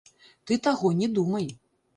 Ты таго не думай!